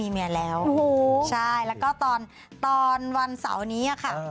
มีเมียแล้วอูหูใช่แล้วก็ตอนวันเสานนี้าค่ะ